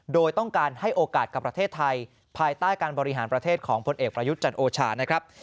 โดยต้องการให้โอกาสกับประเทศไทยภายใต้การบริหารประเทศของพลเอกประยุทธ์จันทร์โอชานะครับ